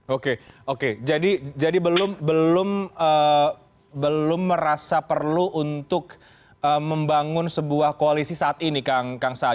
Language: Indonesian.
oke oke jadi belum merasa perlu untuk membangun sebuah koalisi saat ini kang saan